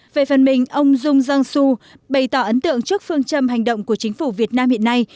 về phần mình ông dung jean su bày tỏ ấn tượng trước phương châm hành động của chính phủ việt nam hiện nay